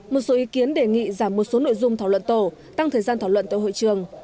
một số ý kiến đề nghị giảm một số nội dung thảo luận tổ tăng thời gian thảo luận tại hội trường